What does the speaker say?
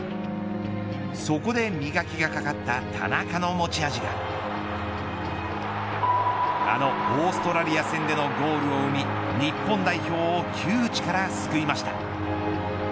そこで磨きがかかった田中の持ち味があのオーストラリア戦でのゴールを生み日本代表を窮地から救いました。